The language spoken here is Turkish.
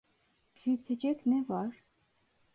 Büyütecek ne var?